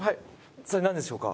それなんでしょうか？